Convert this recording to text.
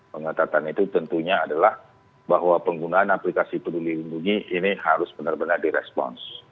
pengetatan itu tentunya adalah bahwa penggunaan aplikasi peduli lindungi ini harus benar benar direspons